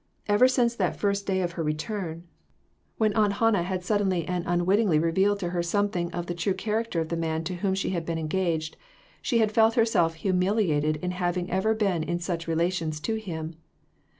Ever since that first day of her return, when Aunt Hannah had sud J. S. R. 419 denly and unwittingly revealed to her something of the true character of the man to whom she had been engaged, she had felt herself humiliated in having ever been in such relations to him.